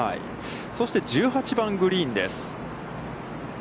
そして１８番グリーンです。